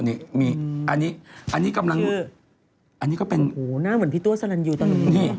อันนี้กำลังอันนี้ก็เป็นเหมือนพี่ตัวสรรย์อยู่ตอนนี้